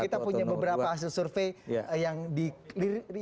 kita punya beberapa hasil survei